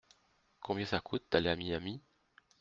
Combien ça coûte d’aller à Miami ?